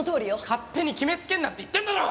勝手に決めつけんなって言ってんだろ！